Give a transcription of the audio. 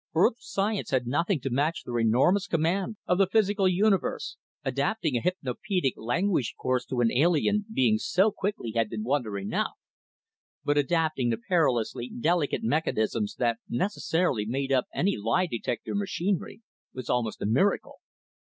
Earth science had nothing to match their enormous command of the physical universe; adapting a hypnopædic language course to an alien being so quickly had been wonder enough, but adapting the perilously delicate mechanisms that necessarily made up any lie detector machinery was almost a miracle.